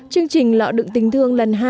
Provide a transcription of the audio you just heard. chương trình lọ đựng tình thương lần hai